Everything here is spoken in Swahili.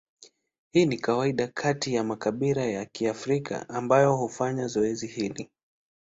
Hii ni kawaida kati ya makabila ya Kiafrika ambayo hufanya zoezi hili.